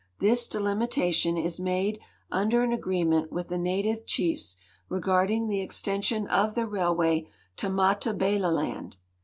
Tliis delimitation is made under an agreement with the native chiefs regarding the extension of tlie railway to IMatabeleland.